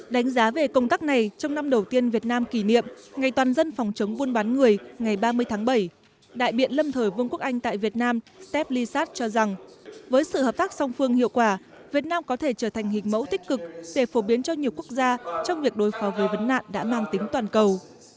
đánh giá về công tác này trong năm đầu tiên việt nam kỷ niệm ngày toàn dân phòng chống buôn bán người ngày ba mươi tháng bảy đại biện lâm thời vương quốc anh tại việt nam stephisat cho rằng với sự hợp tác song phương hiệu quả việt nam có thể trở thành hình mẫu tích cực để phổ biến cho nhiều quốc gia trong việc đối phó với vấn nạn đã mang tính toàn cầu